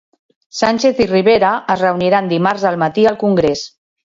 Sánchez i Rivera es reuniran dimarts al matí al Congrés.